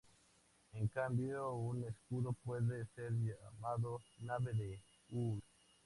En cambio, un escudo puede ser llamado "nave de Ull".